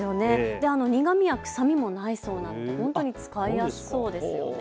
苦みや臭みもないそうで本当に使いやすそうですよね。